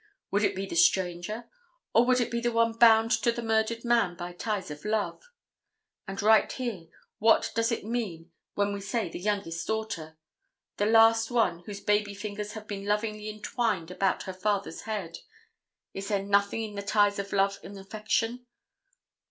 Would it be the stranger, or would it be the one bound to the murdered man by ties of love? And right here, what does it mean when we say the youngest daughter? The last one whose baby fingers have been lovingly entwined about her father's head. Is there nothing in the ties of love and affection?"